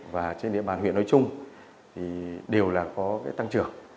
và trên địa bàn huyện nói chung đều là có tăng trưởng